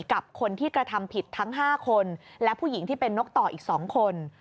กับคนที่กระทำผิดทั้ง๕คนและผู้หญิงที่เป็นนกต่ออีก๒คน